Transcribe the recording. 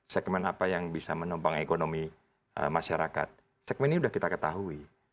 segmen apa yang bisa menopang ekonomi masyarakat segmen ini sudah kita ketahui